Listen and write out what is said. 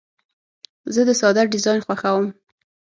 زه د ساده ډیزاین خوښوم.